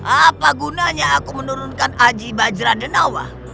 apa gunanya aku menurunkan aji bajra denawa